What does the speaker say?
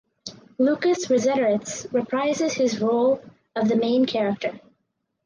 Lukas Resetarits reprises his role or the main character.